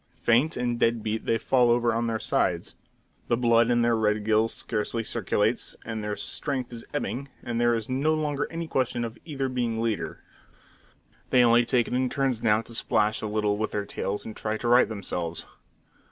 Faint and dead beat, they fall over on their sides. The blood in their red gills scarcely circulates, their strength is ebbing, and there is no longer any question of either being leader. They only take it in turns now to splash a little with their tails and try to right themselves.